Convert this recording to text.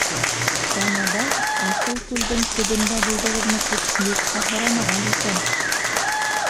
Самабай, Асылыкүлдең төбөндә булдығыҙмы, тип юҡҡа һорамаған икән.